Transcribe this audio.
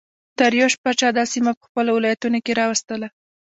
داریوش پاچا دا سیمه په خپلو ولایتونو کې راوستله